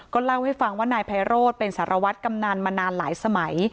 เล่าให้ฟังว่านายไพโรธเป็นสารวัตรกำนันมานานหลายสมัย